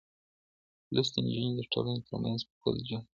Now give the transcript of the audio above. لوستې نجونې د ټولنې ترمنځ پل جوړوي.